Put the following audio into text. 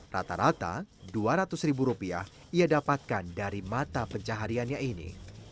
rata rata dua ratus ribu rupiah ia dapatkan dari mata pencahariannya ini